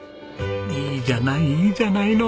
いいじゃないいいじゃないの。